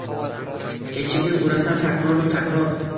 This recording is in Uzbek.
Eshikni urasan takroru takror